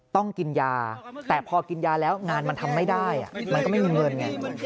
ต้องกินยาแต่พอกินยาแล้วงานมันทำไม่ได้มันก็ไม่มีเงินไง